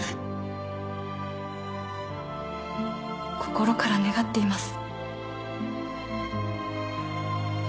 心から願っています。